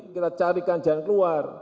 kita carikan jalan keluar